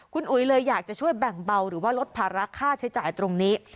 คุณอุ๋ยเลยอยากจะช่วยแบ่งเบาหรือว่าลดภาระค่าใช้จ่ายตรงนี้